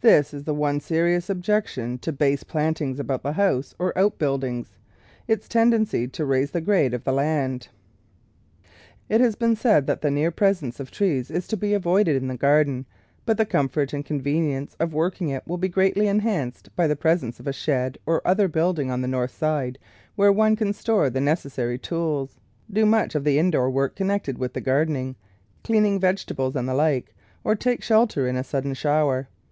This is the one seri ous objection to " base plantings " about the house or outbuildings — its tendency to raise the grade of the land. It has been said that the near presence of trees is to be avoided in the garden, but the comfort and convenience of working it will be greatly enhanced by the presence of a shed or other building on the north side, where one can store the necessary tools, do much of the indoor work connected with gar dening, cleaning vegetables, and the like, or take shelter in a sudden shower.